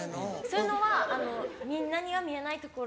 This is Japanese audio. そういうのはみんなには見えないところで。